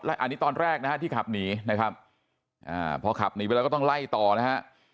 อันนี้ตอนแรกนะฮะที่ขับหนีนะครับอ่าพอขับหนีไปแล้วก็ต้องไล่ต่อนะฮะ